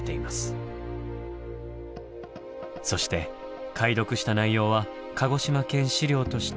そして解読した内容は「鹿児島県史料」として刊行しています。